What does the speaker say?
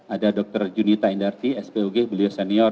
ada dr junita indarti spug belia senior